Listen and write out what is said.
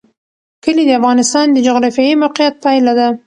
کلي د افغانستان د جغرافیایي موقیعت پایله ده.